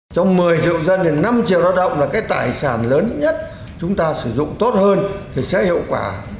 trong một mươi triệu dân thì năm triệu lao động là cái tài sản lớn nhất chúng ta sử dụng tốt hơn thì sẽ hiệu quả